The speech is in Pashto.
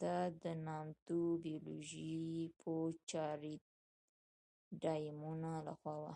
دا د نامتو بیولوژي پوه جارېډ ډایمونډ له خوا وه.